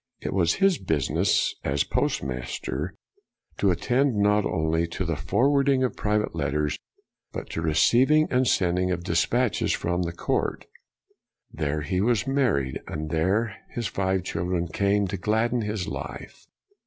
It was his business, as postmaster, to attend BREWSTER 195 not only to the forwarding of private letters, but to receiving and sending of despatches from the court. There he was married, and there his five children came to gladden his life.